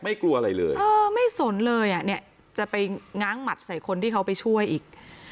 กลัวอะไรเลยเออไม่สนเลยอ่ะเนี่ยจะไปง้างหมัดใส่คนที่เขาไปช่วยอีก